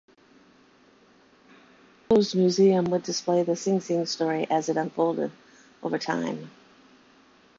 The proposed museum would display the Sing Sing story as it unfolded over time.